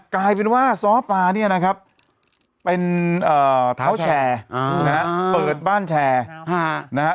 กลายเป็นว่าซ้อปลาเนี่ยนะครับเป็นเท้าแชร์นะฮะเปิดบ้านแชร์นะฮะ